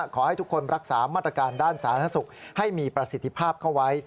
ขอให้ทุกคนรักษามาตรการด้านสาธารณสุขให้มีประสิทธิภาพเข้าไว้